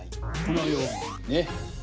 このようにね。